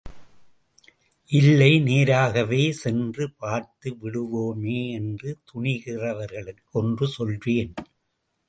இல்லை நேராகவே சென்று பார்த்து விடுவோமே என்று துணிகிறவர்களுக்கு ஒன்று சொல்வேன்.